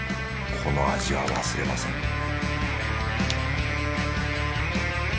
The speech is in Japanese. この味は忘れません